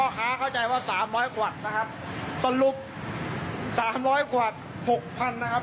พ่อคะเข้าใจว่า๓๐๐ขวดนะครับสรุป๓๐๐ขวด๖๐๐๐นะครับ